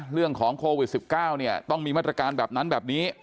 เรื่องของโควิด๑๙เนี่ยต้องมีมาตรการแบบนั้นแบบนี้